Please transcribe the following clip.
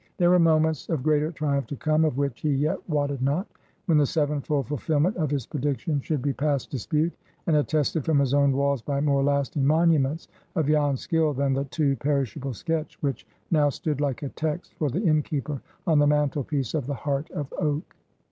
There were moments of greater triumph to come, of which he yet wotted not, when the sevenfold fulfilment of his prediction should be past dispute, and attested from his own walls by more lasting monuments of Jan's skill than the too perishable sketch which now stood like a text for the innkeeper on the mantelpiece of the Heart of Oak.